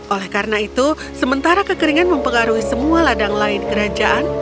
oleh karena itu sementara kekeringan mempengaruhi semua ladang lain kerajaan